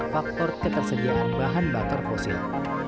faktor ketersediaan bahan bakar fosil